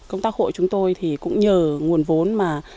công tác hội chúng tôi thì cũng nhờ nguồn vốn mà